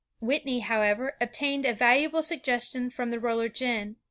Whitney, however, ob tained a valuable suggestion from the roller gin.